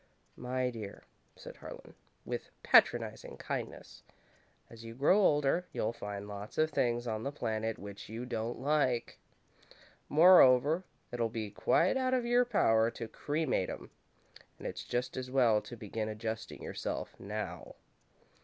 "My dear," said Harlan, with patronising kindness, "as you grow older, you'll find lots of things on the planet which you don't like. Moreover, it'll be quite out of your power to cremate 'em, and it's just as well to begin adjusting yourself now."